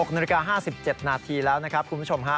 ๖นาฬิกา๕๗นาทีแล้วนะครับคุณผู้ชมฮะ